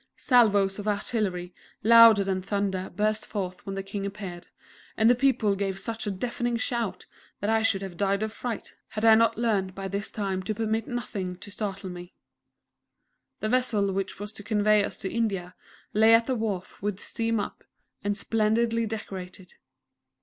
Salvos of artillery, louder than thunder, burst forth when the King appeared, and the people gave such a deafening shout that I should have died of fright, had I not learned by this time to permit nothing to startle me. The vessel which was to convey us to India lay at the wharf with steam up, and splendidly decorated.